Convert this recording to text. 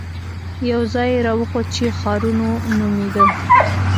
يو ځاى يې راوښود چې ښارنو نومېده.